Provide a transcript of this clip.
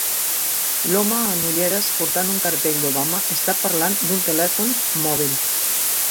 L'home en ulleres portant un cartell d'Obama està parlant d'un telèfon mòbil.